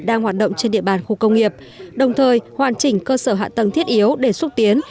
đang hoạt động trên địa bàn khu công nghiệp đồng thời hoàn chỉnh cơ sở hạ tầng thiết yếu để xúc tiến